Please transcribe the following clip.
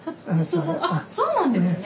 あそうなんですね。